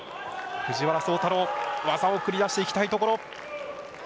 藤原崇太郎技を繰り出していきたいところ。